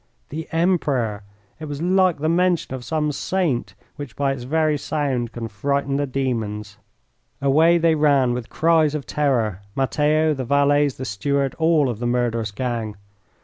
The Emperor! It was like the mention of some saint which, by its very sound, can frighten the demons. Away they ran with cries of terror Matteo, the valets, the steward, all of the murderous gang.